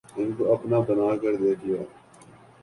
ان کو اپنا بنا کے دیکھ لیا